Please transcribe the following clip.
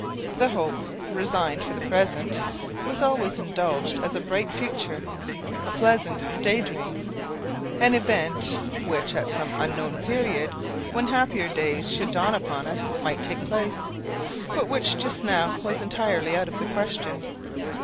The hope, resigned for the present, was always indulged as a bright future a pleasant day dream an event which at some unknown period, when happier days should dawn upon us, might take place; but which just now was entirely out of the question.